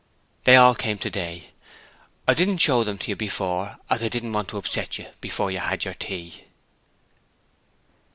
'They all came today. I didn't show them to you before as I didn't want to upset you before you had your tea.'